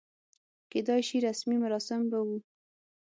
کېدای شي رسمي مراسم به و.